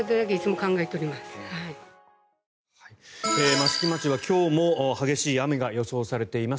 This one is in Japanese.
益城町は今日も激しい雨が予想されています。